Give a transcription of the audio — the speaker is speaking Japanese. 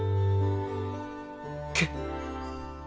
け。